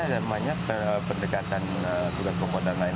ada pendekatan tugas pokok dan lain lain